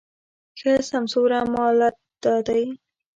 ښه سمسوره مالت دا دی